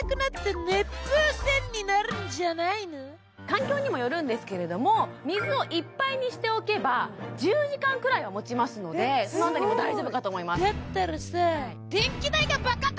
環境にもよるんですけれども水をいっぱいにしておけば１０時間くらいはもちますのでそのあたりも大丈夫かと思いますだったらさあああ